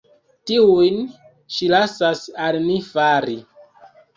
Tiujn ŝi lasas al ni fari.